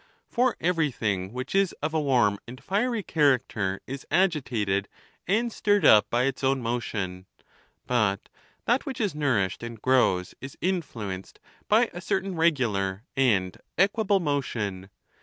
For everything which is of a warm and fiery character is agi tated and stirred up by its own motion. But that which is nourished and grows is influenced by a certain regular 264 THE NATURE OF THE GODS. aud equable motion.